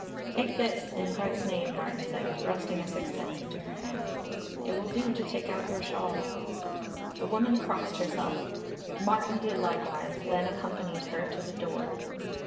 "Take this in Christ's name," Martin said, thrusting a sixpence into her hand. "It will do to take out your shawl." The woman crossed herself, Martin did likewise, then accompanied her to the door.